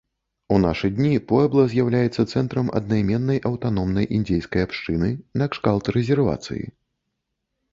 У нашы дні пуэбла з'яўляецца цэнтрам аднайменнай аўтаномнай індзейскай абшчыны накшталт рэзервацыі.